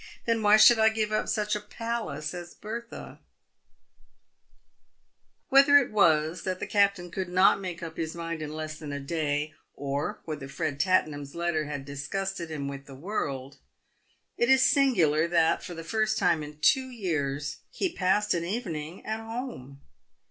Then why should I give up such a palace as Bertha ?" Whether it was that the captain could not make up his mind in less than a day, or whether Fred Tattenham' s letter had disgusted him with the world*, it is singular that for the first time in two years he passed an evening at home.